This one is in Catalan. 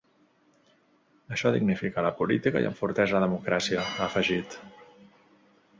Això dignifica la política i enforteix la democràcia, ha afegit.